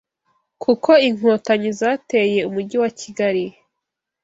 ko Inkontanyi zateye Umujyi wa Kigali